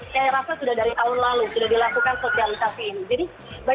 saya rasa sudah dari tahun lalu sudah dilakukan sosialisasi ini